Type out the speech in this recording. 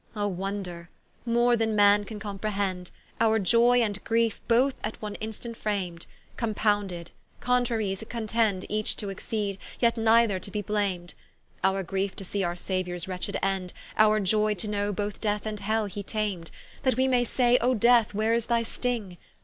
O wonder, more than man can comprehend, Our Ioy and Griefe both at one instant fram'd, Compounded: Contrarieties contend Each to exceed, yet neither to be blam'd. Our Griefe to see our Sauiours wretched end, Our Ioy to know both Death and Hell he tam'd: That we may say, O Death, where is thy sting?